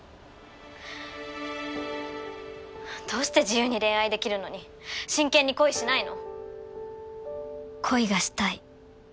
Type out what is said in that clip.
どうして自由に恋愛できるのに真剣に恋しないの？